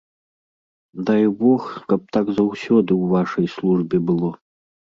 Дай бог, каб так заўсёды ў вашай службе было.